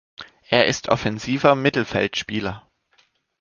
Er ist offensiver Mittelfeldspieler.